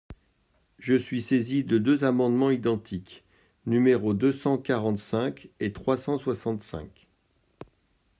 Je suis saisi de deux amendements identiques, numéros deux cent quarante-cinq et trois cent soixante-cinq.